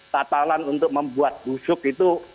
tatalan untuk membuat busuk itu